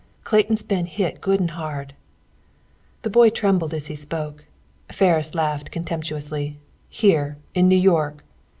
Clayton's been hit good an' hard!" The boy trembled as he spoke. Ferris laughed contemptuously. "Here, in New York!"